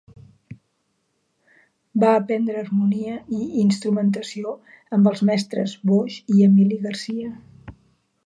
Va aprendre harmonia i instrumentació amb els mestres Boix i Emili Garcia.